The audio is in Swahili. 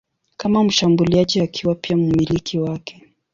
kama mshambuliaji akiwa pia mmiliki wake.